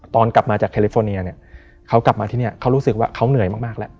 ตอนกลับมาจากแคลิฟอร์เนียเนี่ยเขากลับมาที่นี่เขารู้สึกว่าเขาเหนื่อยมากแล้ว